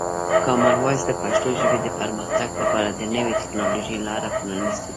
کامن وایس د پښتو ژبې د پرمختګ لپاره د نوي ټکنالوژۍ لاره پرانیستې ده.